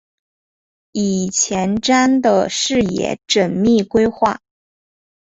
以前瞻的视野缜密规划